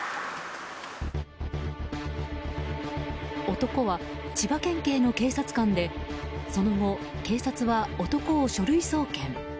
男は千葉県警の警察官でその後、警察は男を書類送検。